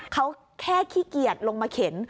เขาแค่ขี้เกียจลงมาเข็น